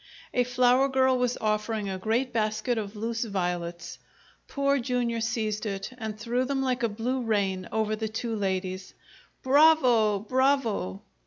A flower girl was offering a great basket of loose violets. Poor Jr. seized it and threw them like a blue rain over the two ladies. "Bravo! Bravo!"